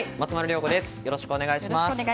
よろしくお願いします。